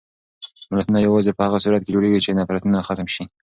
ملتونه یوازې په هغه صورت کې جوړېږي چې نفرتونه ختم شي.